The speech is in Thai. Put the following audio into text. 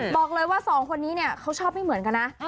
บอกเลยว่า๒คนนี้เขาชอบไม่เหมือนกันนะ